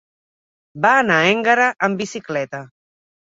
Va anar a Énguera amb bicicleta.